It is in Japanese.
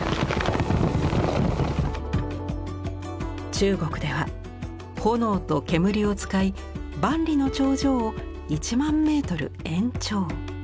中国では炎と煙を使い万里の長城を一万メートル延長。